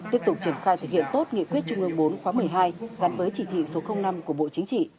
tiếp tục triển khai thực hiện tốt nghị quyết trung ương bốn khóa một mươi hai gắn với chỉ thị số năm của bộ chính trị